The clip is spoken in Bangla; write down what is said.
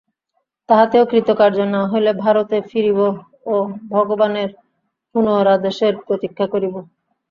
তাহাতেও কৃতকার্য না হইলে ভারতে ফিরিব ও ভগবানের পুনরাদেশের প্রতীক্ষা করিব।